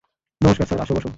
নমষ্কার sir -আসো, বসো।